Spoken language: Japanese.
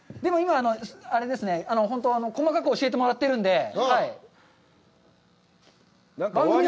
でも今、あれですね、本当に細かく教えてもらってるので。